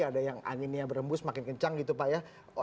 ada yang anginnya berembus makin kencang gitu pak ya